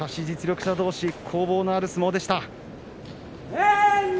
実力者どうし攻防のある相撲でした。